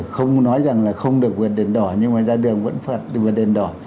không nói rằng là không được vật đền đỏ nhưng mà ra đường vẫn vật đền đỏ